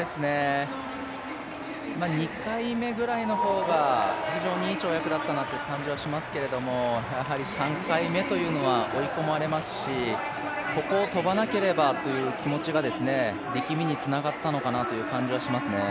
２回目ぐらいの方が非常にいい跳躍だったなという感じがしますけどやはり３回目というのは追い込まれますし、ここを跳ばなければという気持ちが力みにつながったのかなという感じがしますね。